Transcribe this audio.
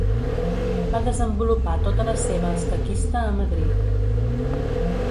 Va desenvolupar tota la seva escaquista a Madrid.